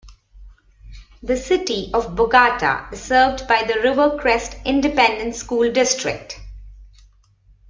The City of Bogata is served by the Rivercrest Independent School District.